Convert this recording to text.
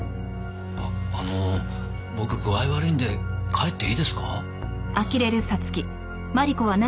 あの僕具合悪いんで帰っていいですか？